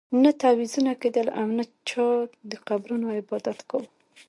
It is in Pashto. نه تعویذونه کېدل او نه چا د قبرونو عبادت کاوه.